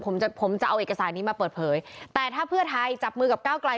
ผมจะผมจะเอาเอกสารนี้มาเปิดเผยแต่ถ้าเพื่อไทยจับมือกับก้าวไกล